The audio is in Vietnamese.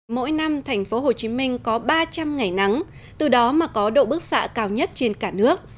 mỗi năm thành phố hồ chí minh có ba trăm linh ngày nắng từ đó mà có độ bức xạ cao nhất trên cả nước